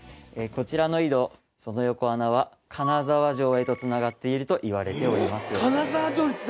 こちらの井戸その横穴は金沢城へとつながっているといわれております。